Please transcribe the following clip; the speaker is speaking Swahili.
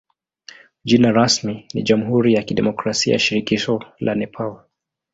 Jina rasmi ni jamhuri ya kidemokrasia ya shirikisho la Nepal.